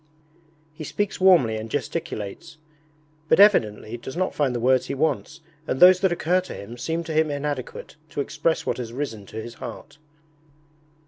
He speaks warmly and gesticulates, but evidently does not find the words he wants and those that occur to him seem to him inadequate to express what has risen to his heart.